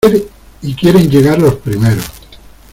y quieren llegar los primeros.